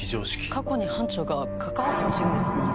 過去に班長が関わった人物なんですよね。